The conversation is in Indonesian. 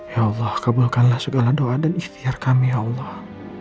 ya allah kabulkanlah segala doa dan ikhtiar kami allah